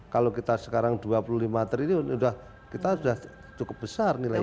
kalau kita sekarang dua puluh lima triliun kita sudah cukup besar nilainya